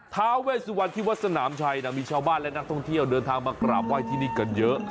ท้าเวสวันที่วัดสนามชัยมีชาวบ้านและนักท่องเที่ยวเดินทางมากราบไหว้ที่นี่กันเยอะ